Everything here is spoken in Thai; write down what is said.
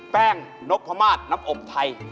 แป้งนกพะมาสนับอบไทย